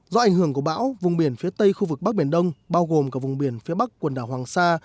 do ảnh hưởng của bão vùng biển phía tây khu vực bắc biển đông bao gồm cả vùng biển phía bắc quần đảo hoàng sa